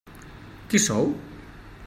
Qui sou?